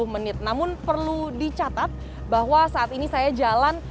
sepuluh menit namun perlu dicatat bahwa saat ini saya jalan